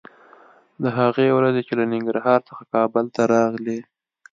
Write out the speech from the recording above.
د هغې ورځې چې له ننګرهار څخه کابل ته راغلې